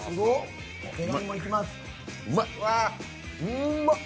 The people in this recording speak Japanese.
うまっ。